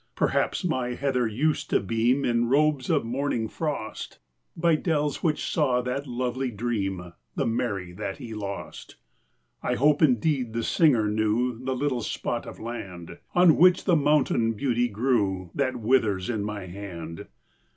Perhaps my heather used to beam In robes of morning frost, By dells which saw that lovely dream The Mary that he lost. I hope, indeed, the singer knew The little spot of land On which the mountain beauty grew That withers in my hand.